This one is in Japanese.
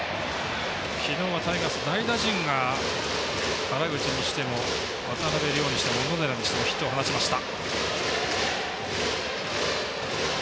昨日はタイガース、代打陣が原口にしても、渡邉諒にしても小野寺にしてもヒットを放ちました。